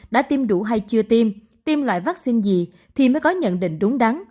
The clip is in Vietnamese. đã tiêm đủ hay chưa tiêm tiêm loại vaccine gì thì mới có nhận định đúng đắn